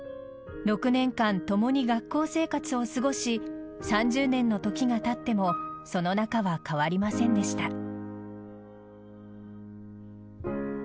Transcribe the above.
６年間、ともに学校生活を過ごし３０年の時がたってもその仲は変わりませんでした。